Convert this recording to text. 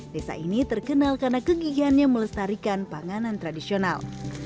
desa ini terkenal karena kegigihannya melestarikan panganan tradisional